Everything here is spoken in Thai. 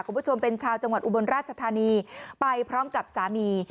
คุณผู้ชมเป็นชาวจังหวัดอุบลราชธานีไปพร้อมกับสามี